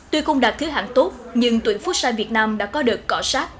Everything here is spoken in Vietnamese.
tuy không đạt thứ hạng tốt nhưng tuyển phút săn việt nam đã có đợt cỏ sát